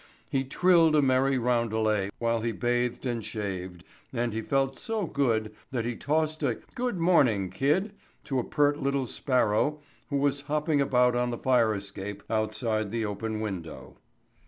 He trilled a merry roundelay while he bathed and shaved, and he felt so good that he tossed a "good morning, kid" to a pert little sparrow who was hopping about on the fire escape outside the open window.